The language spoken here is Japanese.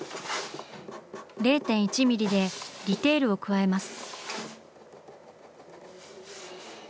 ０．１ミリでディテールを加えます。